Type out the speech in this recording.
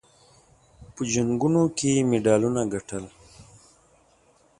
په جنګونو کې یې مډالونه ګټل.